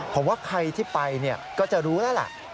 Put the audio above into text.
เพราะว่าใครที่ไปเนี่ยก็จะรู้แล้วล่ะ